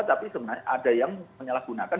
tapi sebenarnya ada yang menyalahgunakan